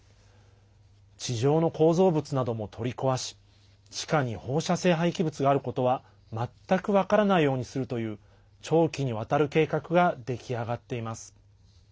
地上の構造物なども取り壊し地下に放射性廃棄物があることは全く分からないようにするという長期にわたる計画が出来上がっています。